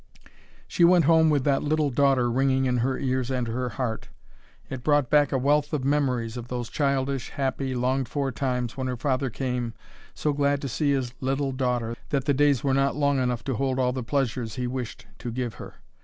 She went home with that "little daughter" ringing in her ears and her heart. It brought back a wealth of memories of those childish, happy, longed for times when her father came, so glad to see his "little daughter" that the days were not long enough to hold all the pleasures he wished to give her.